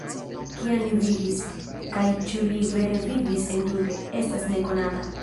Kiam li vivis, kaj ĉu li vere vivis entute, estas nekonata.